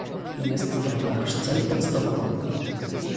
Jest to nasz cel podstawowy